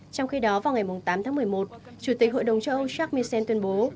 trong khi đó vào ngày tám một mươi một chủ tịch hội đồng châu âu jacques misen tuyên bố